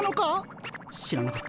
知らなかった。